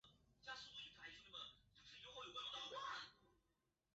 张宏原来是张鲸的座主。